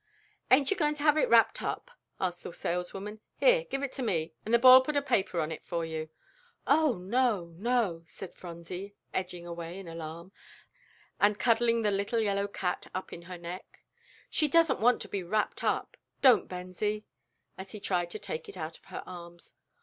"Ain't you going to have it wrapped up?" asked the saleswoman. "Here, give it to me, and the boy'll put a paper on it for you." "Oh, no, no," said Phronsie, edging away in alarm, and cuddling the little yellow cat up in her neck, "she doesn't want to be wrapped up. Don't, Bensie," as he tried to take it out of her arms.